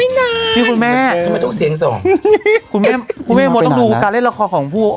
นี่คุณแม่ทำไมต้องเสียงสองคุณแม่คุณแม่มดต้องดูการเล่นละครของผู้